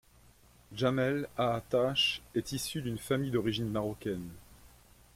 Jamel Aattache est issu d'une famille d'origine marocaine.